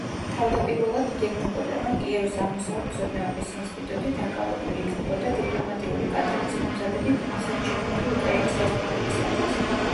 თავდაპირველად იგეგმებოდა, რომ კიევის აღმოსავლეთმცოდნეობის ინსტიტუტი დაკავებული იქნებოდა დიპლომატიური კადრების მომზადებით ახლადშექმნილი უკრაინის რესპუბლიკისათვის.